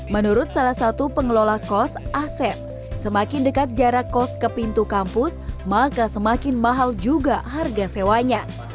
menurut salah satu pengelola kos asep semakin dekat jarak kos ke pintu kampus maka semakin mahal juga harga sewanya